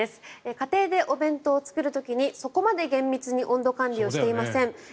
家庭でお弁当を作る時にそこまで厳密に温度管理をしていません。